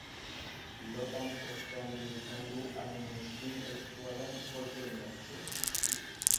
Pilotan, ospe handia izan du haren eskuin eskuaren kolpe indartsuak.